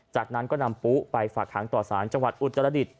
จากนั้นก็นำปุ๊ไปฝากหางต่อสารจังหวัดอุตรดิษฐ